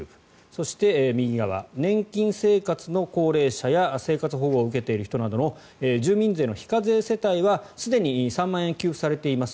そして右側年金生活の高齢者や生活保護を受けている人などの住民税の非課税世帯はすでに３万円給付されています。